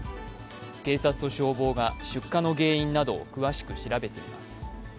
警察と消防が出火の原因などを詳しく調べています。